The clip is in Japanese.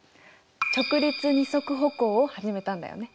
直立二足歩行を始めたんだよね。